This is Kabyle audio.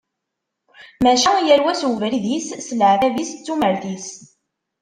Maca yal wa s ubrid-is, s leɛtab-is, d tumert-is.